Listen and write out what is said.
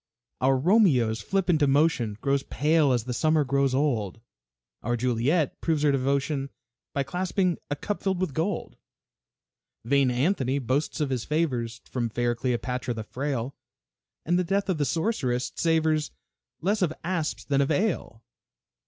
Our Romeo's flippant emotion Grows pale as the summer grows old; Our Juliet proves her devotion By clasping a cup filled with gold. Vain Anthony boasts of his favors From fair Cleopatra the frail, And the death of the sorceress savors Less of asps than of ale.